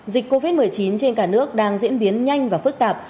dịch covid một mươi chín trên cả nước đang diễn biến nhanh và phức tạp